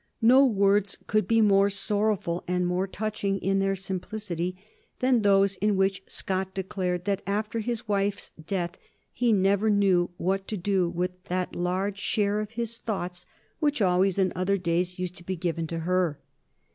No words could be more sorrowful and more touching in their simplicity than those in which Scott declared that after his wife's death he never knew what to do with that large share of his thoughts which always, in other days, used to be given to her.